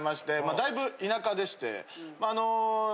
だいぶ田舎でしてあの。